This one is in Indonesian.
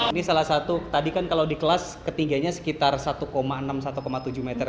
ini salah satu tadi kan kalau di kelas ketinggiannya sekitar satu enam satu tujuh meter